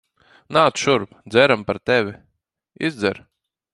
Nāc šurp. Dzeram par tevi. Izdzer.